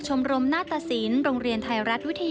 ต้องแบบนี้เลย